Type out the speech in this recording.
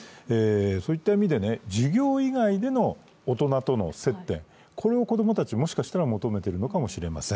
そういった意味で、授業以外での大人との接点、これを子供たち、もしかしたら求めているのかもしれません。